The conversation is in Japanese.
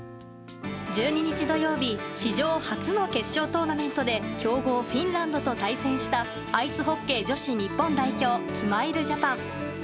１２日土曜日、史上初の決勝トーナメントで強豪フィンランドと対戦したアイスホッケー女子日本代表スマイルジャパン。